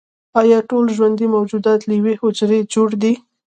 ایا ټول ژوندي موجودات له یوې حجرې جوړ دي